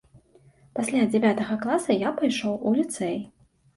Пасля дзявятага класа я пайшоў у ліцэй.